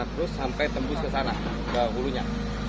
terus sampai tembus ke sana